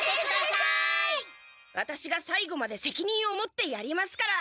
ワタシがさいごまでせきにんを持ってやりますから。